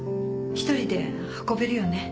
１人で運べるよね